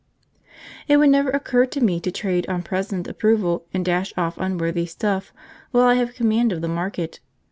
It would never occur to me to trade on present approval and dash off unworthy stuff while I have command of the market.